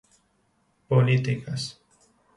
Políticas